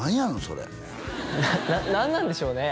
それ何なんでしょうね